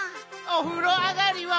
「お風呂あがりは」